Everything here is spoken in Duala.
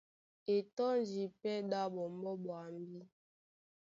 E tɔ́ndi pɛ́ ɗá ɓɔmbɔ́ ɓwambí.